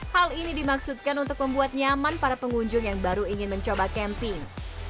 hal ini dimaksudkan untuk membuat nyaman para pengunjung yang baru ingin mencoba camping